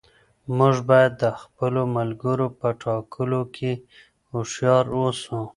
موږ باید د خپلو ملګرو په ټاکلو کې هوښیار اوسو.